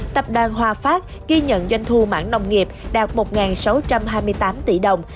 tập đoàn hòa phát ghi nhận doanh thu mảng nông nghiệp đạt một sáu trăm hai mươi tám tỷ đồng